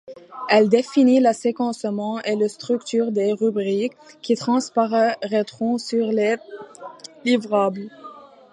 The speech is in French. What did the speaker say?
Elle définit le séquencement et la structure des rubriques, qui transparaitront sur les livrables.